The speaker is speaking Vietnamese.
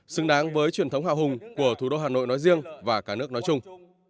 xứng đáng với truyền thống hào hùng của thủ đô hà nội nói riêng và cả nước nói chung